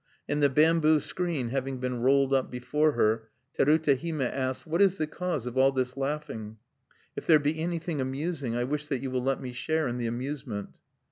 And the bamboo screen having been rolled up before her, Terute Hime asked: "What is the cause of all this laughing? If there be anything amusing, I wish that you will let me share in the amusement."